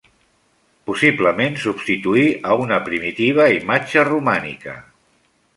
Possiblement substituí a una primitiva imatge romànica.